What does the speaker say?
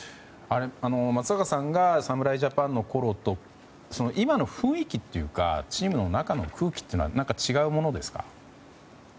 松坂さんが侍ジャパンのころと今の雰囲気というかチームの中の空気は何か違うものですか？